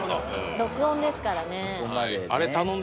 録音ですからね。